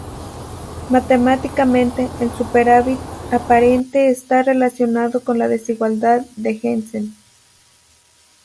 Matemáticamente, el superávit aparente está relacionado con la desigualdad de Jensen.